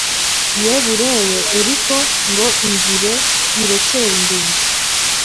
ye Bureye eriko ngo inzire irecyeri ndende.